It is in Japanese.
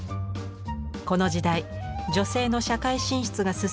この時代女性の社会進出が進み